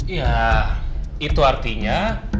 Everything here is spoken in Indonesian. ya itu artinya